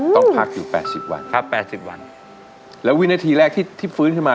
ต้องพักอยู่๘๐วันแล้ววินาทีแรกที่ฟื้นขึ้นมา